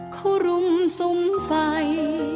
เขารุ่มสุ่มไฟ